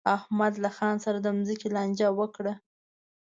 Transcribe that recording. احمد له خان سره د ځمکې لانجه وکړه.